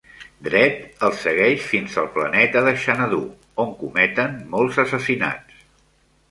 Dredd els segueix fins al planeta de Xanadu, on cometen molts assassinats.